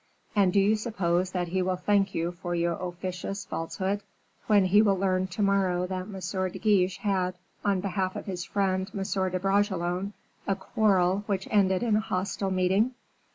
"And do you suppose that he will thank you for your officious falsehood, when he will learn to morrow that M. de Guiche had, on behalf of his friend M. de Bragelonne, a quarrel which ended in a hostile meeting?"